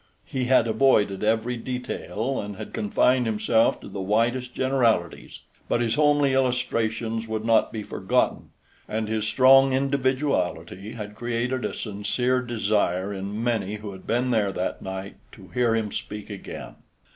He had avoided every detail, and had confined himself to the widest generalities, but his homely illustrations would not be forgotten, and his strong individuality had created a sincere desire in many who had been there that night to hear him speak again.